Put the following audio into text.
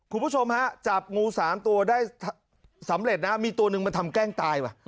คุณผู้ชมฮะจับงูสามตัวได้สำเร็จนะมีตัวหนึ่งมาทำแกล้งตายว่ะ